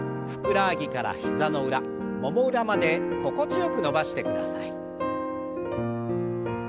ふくらはぎから膝の裏もも裏まで心地よく伸ばしてください。